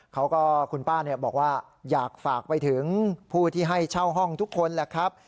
เขาก็คุณป้าบอกว่าอยากฝากไปถึงผู้ที่ให้เช่าห้องทุกคนแหละครับ